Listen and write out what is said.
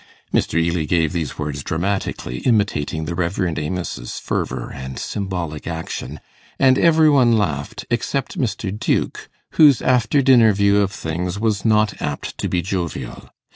Mr. Ely gave these words dramatically, imitating the Rev. Amos's fervour and symbolic action, and every one laughed except Mr. Duke, whose after dinner view of things was not apt to be jovial.